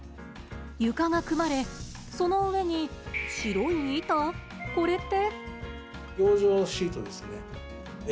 床が組まれ、その上に白い板これって？